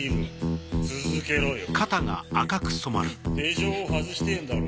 手錠を外してぇんだろ？